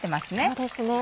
そうですね。